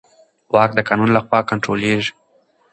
واک د قانون له خوا کنټرولېږي.